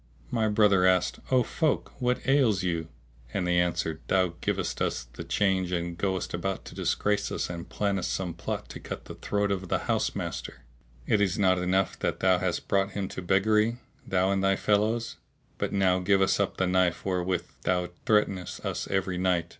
My brother asked, "O folk, what ails you?"; and they answered, "Thou givest us the change and goest about to disgrace us and plannest some plot to cut the throat of the house master! Is it not enough that thou hast brought him to beggary, thou and thy fellows? But now give us up the knife wherewith thou threatenest us every night."